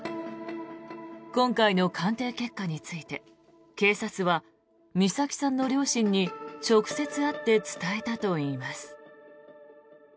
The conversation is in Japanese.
今回の鑑定結果について警察は美咲さんの両親に直接会って伝えたといいます。